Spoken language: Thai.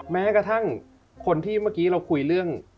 แม้กระทั่งคนที่เมื่อกี้เราคุยเรื่อง